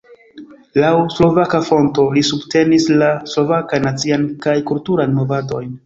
Laŭ slovaka fonto li subtenis la slovakan nacian kaj kulturan movadojn.